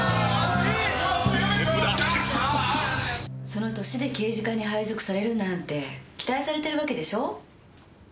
その歳で刑事課に配属されるなんて期待されてるわけでしょ。